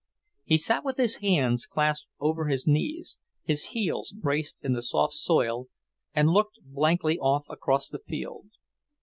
He sat with his hands clasped over his knees, his heels braced in the soft soil, and looked blankly off across the field.